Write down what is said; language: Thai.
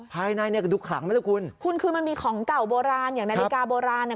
ภายในเนี่ยก็ดูขลังไหมล่ะคุณคุณคือมันมีของเก่าโบราณอย่างนาฬิกาโบราณอ่ะ